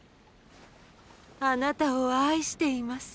あなたを愛しています。